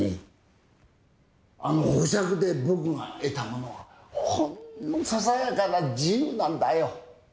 あの保釈で僕が得たものはほんのささやかな自由なんだよ。